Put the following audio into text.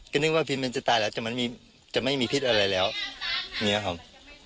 ก็นึกว่าพิษมันจะตายแล้วจะไม่มีพิษอะไรแล้วเนี้ยครับ